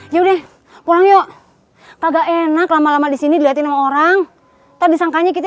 ya udah pulang yuk kagak enak lama lama disini dilihatin orang tadi sangkanya kita